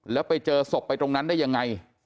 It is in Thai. แล้วไปเจอศพไปตรงนั้นได้ยังไง